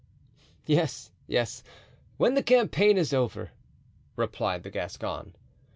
"Yes, yes, when the campaign is over," replied the Gascon.